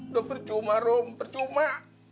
udah percuma rom percuma